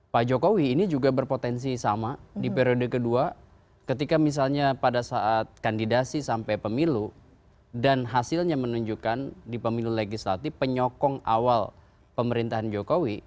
pak jokowi ini juga berpotensi sama di periode kedua ketika misalnya pada saat kandidasi sampai pemilu dan hasilnya menunjukkan di pemilu legislatif penyokong awal pemerintahan jokowi